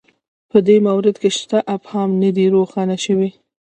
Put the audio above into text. په دې مورد کې شته ابهام نه دی روښانه شوی